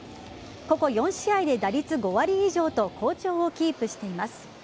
ここ４試合で打率５割以上と好調をキープしています。